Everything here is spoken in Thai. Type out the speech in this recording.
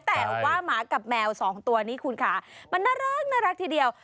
แต่ว่าหมากับแมวสองตัวนี้คุณค่ะมันน่ารักทีเดียว